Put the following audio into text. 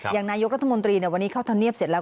อย่างนายกรัฐมนตรีวันนี้เข้าธรรมเนียบเสร็จแล้ว